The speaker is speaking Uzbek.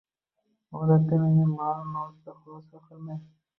Odatda menga ma’lum mavzuda xulosa qilmay